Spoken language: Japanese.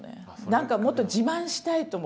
何かもっと自慢したいと思って。